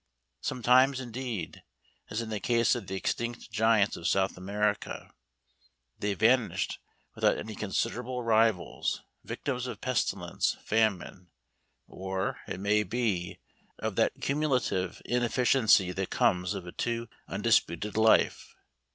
Sometimes, indeed, as in the case of the extinct giants of South America, they vanished without any considerable rivals, victims of pestilence, famine, or, it may be, of that cumulative inefficiency that comes of a too undisputed life.